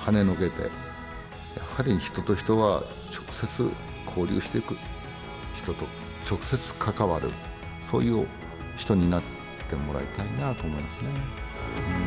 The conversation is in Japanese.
はねのけてやはり人と人は直接交流していく人と直接関わるそういう人になってもらいたいなと思いますね。